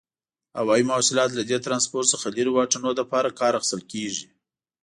هوایي مواصلات له دې ترانسپورت څخه لري واټنونو لپاره کار اخیستل کیږي.